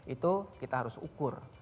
itu kita harus ukur